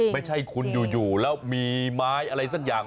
ไม่ใช่คุณอยู่แล้วมีไม้อะไรสักอย่าง